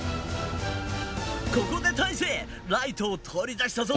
ここでたいせいライトを取り出したぞ！